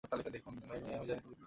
মেই-মেই, আমি জানি তুমি কি করছো।